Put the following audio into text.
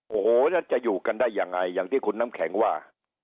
โอ้โหแล้วจะอยู่กันได้ยังไงอย่างที่คุณน้ำแข็งว่า